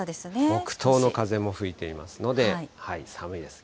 北東の風も吹いていますので、寒いです。